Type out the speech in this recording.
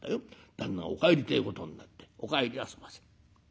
旦那お帰りってえことになって『お帰りあそばせ。